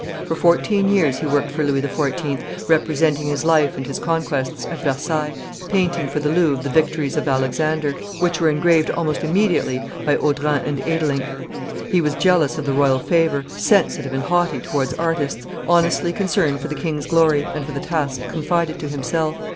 For fourteen years he worked for Louis XIV., representing his life and his conquests, at Versailles; painting for the Louvre the victories of Alexander, which were engraved almost immediately by Audran and Edelinck. He was jealous of the royal favor, sensitive and haughty towards artists, honestly concerned for the king's glory and for the tasks confided to himself.